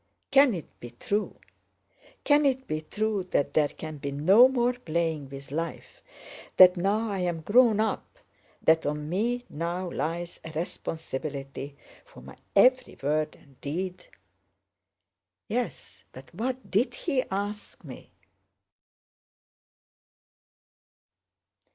Can it be true? Can it be true that there can be no more playing with life, that now I am grown up, that on me now lies a responsibility for my every word and deed? Yes, but what did he ask me?"